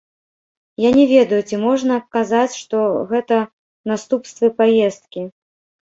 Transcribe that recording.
Я не ведаю, ці можна казаць, што гэта наступствы паездкі?